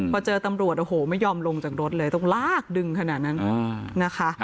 พอเจอตำรวจโอ้โหไม่ยอมลงจากรถเลยต้องลากดึงขนาดนั้นนะคะ